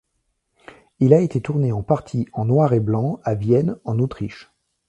Il a été tourné en partie en noir et blanc à Vienne en Autriche.